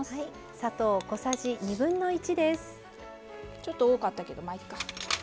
ちょっと多かったけどまあいいか。